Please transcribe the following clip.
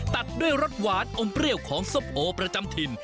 ตัดด้วยรสหวานอมเปรี้ยวของส้มโอประจำถิ่น